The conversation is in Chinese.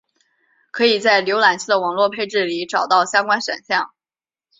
可以在浏览器的网络配置里找到相关选项。